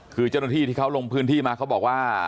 คือเจ้าหน้าที่ที่เขาลงพื้นที่มาเขาบอกว่า